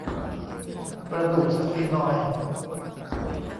กระดูกสฟีนอยด์